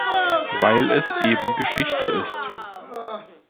Weil es eben Geschichte ist.